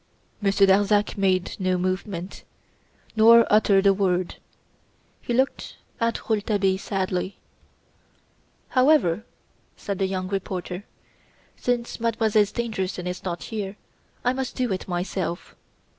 Monsieur Darzac made no movement, nor uttered a word. He looked at Rouletabille sadly. "However," said the young reporter, "since Mademoiselle is not here, I must do it myself.